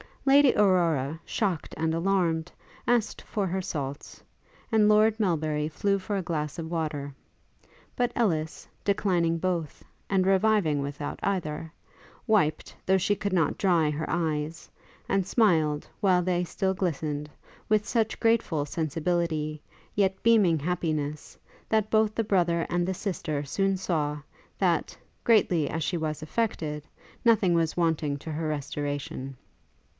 Lady Aurora, shocked and alarmed, asked for her salts; and Lord Melbury flew for a glass of water; but Ellis, declining both, and reviving without either, wiped, though she could not dry her eyes and smiled, while they still glistened, with such grateful sensibility, yet beaming happiness, that both the brother and the sister soon saw, that, greatly as she was affected, nothing was wanting to her restoration.